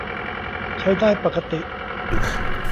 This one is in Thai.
ใช้ได้ปกติ